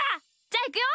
じゃあいくよ！